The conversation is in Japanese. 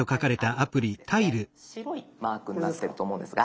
白いマークになってると思うんですが。